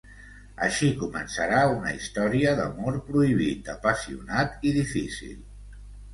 Així començarà una història d’amor prohibit, apassionat i difícil.